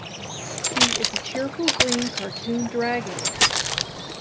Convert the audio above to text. He is a cheerful green cartoon dragon.